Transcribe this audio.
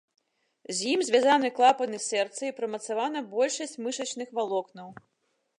З ім звязаны клапаны сэрца і прымацавана большасць мышачных валокнаў.